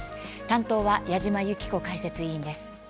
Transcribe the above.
担当は、矢島ゆき子解説委員です。